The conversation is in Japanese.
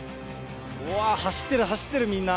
うわー、走ってる、走ってる、みんな。